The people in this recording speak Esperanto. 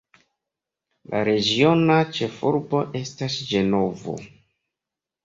La regiona ĉefurbo estas Ĝenovo.